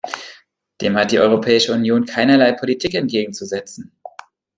Dem hat die Europäische Union keinerlei Politik entgegenzusetzen.